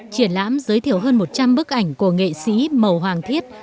triển lãm giới thiệu hơn một trăm linh bức ảnh của nghệ sĩ màu hoàng thiết